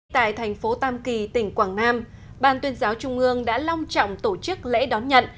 tại thành phố tam kỳ tỉnh quảng nam ban tuyên giáo trung ương đã long trọng tổ chức lễ đón nhận